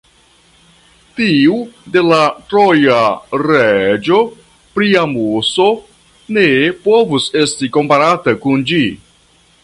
Tiu de la troja reĝo Priamuso ne povus esti komparata kun ĝi.